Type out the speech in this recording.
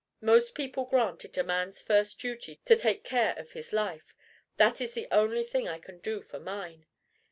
Most people grant it a man's first duty to take care of his life: that is the only thing I can do for mine.